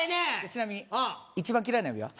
ちなみに一番嫌いな曜日は？